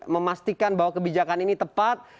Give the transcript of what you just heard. memastikan bahwa kebijakan ini tepat